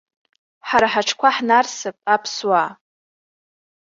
Ҳара ҳаҽқәа ҳнарсып, аԥсуаа!